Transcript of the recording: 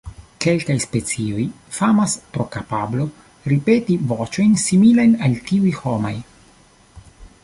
Kelkaj specioj famas pro kapablo ripeti voĉojn similajn al tiuj homaj.